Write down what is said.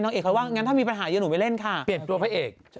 เอกเขาว่างั้นถ้ามีปัญหาเยอะหนูไปเล่นค่ะเปลี่ยนตัวพระเอก